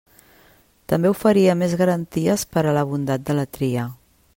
També oferia més garanties per a la bondat de la tria.